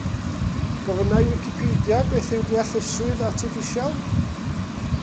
Gofynna i Wicipedia beth yw Deallusrwydd Artiffisial?